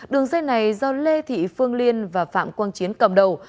đường dây này do lê thị phương liên và phạm quang chiến cầm đầu